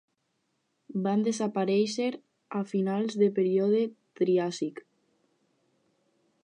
Van desaparèixer a finals del període Triàsic.